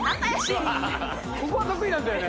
ここは得意なんだよね。